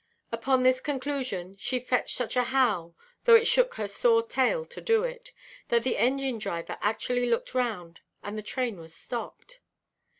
Upon this conclusion, she fetched such a howl, though it shook her sore tail to do it, that the engine–driver actually looked round, and the train was stopped.